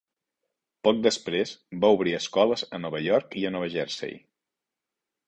Poc després, va obrir escoles a Nova York i a Nova Jersey.